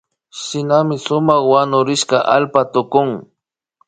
Shinami sumak wanurishka allpaka tukun